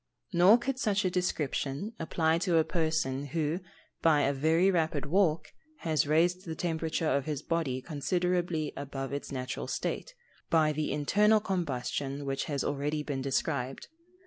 Nor could such a description apply to a person who, by a very rapid walk, has raised the temperature of his body considerably above its natural state, by the internal combustion which has already been described.